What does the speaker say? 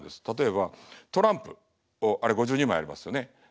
例えばトランプをあれ５２枚ありますよね。